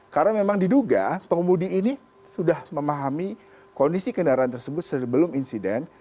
karena memang diduga pengemudi ini sudah memahami kondisi kendaraan tersebut sebelum insiden